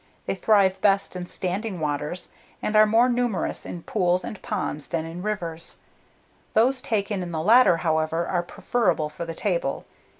They thrive best in standing waters, and are more numerous in pools and ponds than in rivers. Those taken in the latter, however, are preferable for the table.